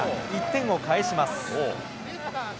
１点を返します。